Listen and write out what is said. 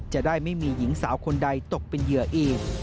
จะได้ไม่มีหญิงสาวคนใดตกเป็นเหยื่ออีก